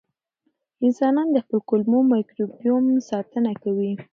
انسانان د خپل کولمو مایکروبیوم ساتنه کوي.